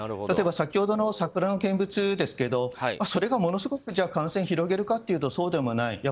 例えば先ほどの桜の見物ですがそれがものすごく感染を広げるかというとそうでもない